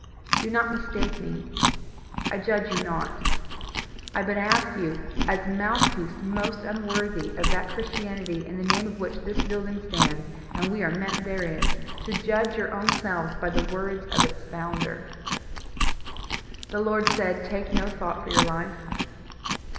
Do not mistake me: I judge you not. I but ask you, as mouthpiece most unworthy of that Christianity in the name of which this building stands and we are met therein, to judge your own selves by the words of its founder. "The Lord said: Take no thought for your life.